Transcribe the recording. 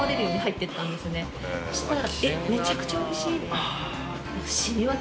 そしたら。